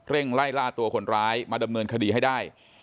ไล่ล่าตัวคนร้ายมาดำเนินคดีให้ได้